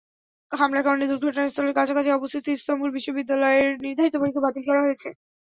হামলার কারণে দুর্ঘটনাস্থলের কাছাকাছি অবস্থিত ইস্তাম্বুল বিশ্ববিদ্যালয়ের নির্ধারিত পরীক্ষা বাতিল করা হয়েছে।